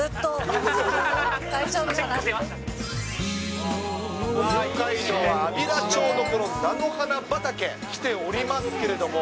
北海道は安平町の、この菜の花畑、来ておりますけれども。